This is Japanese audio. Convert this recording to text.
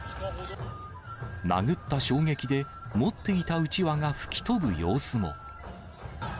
殴った衝撃で持っていたうちわが吹き飛ぶ様子も。